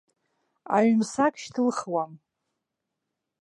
Аҩымсаг шьҭылхуам.